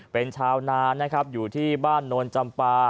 เป็นชาวนานนะครับอยู่ที่บ้านโนนจำปา